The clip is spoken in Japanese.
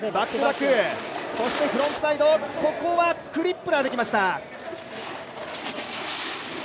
そしてフロントサイドクリップラーできました。